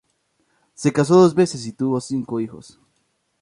Se casó dos veces y tuvo cinco hijos.